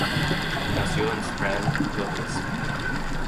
Nació en Strand, Londres.